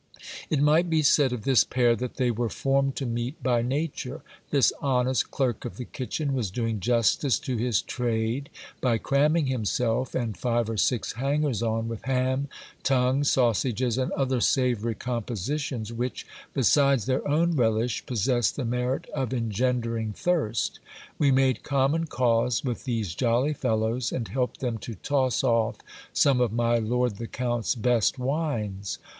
It might be said of this pair that they were formed to meet by nature. This honest clerk of the kitchen was doing justice to his trade by cramming himself and five or six hangers on with ham, tongue, sausages, and other savoury compositions, which, besides their own relish, possess the merit of engendering thirst : we made common cause with these jolly fellows, and helped them to toss off some of my lord the count's best wines.